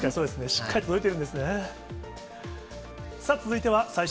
しっかり届いてるんですね。